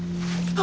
あ。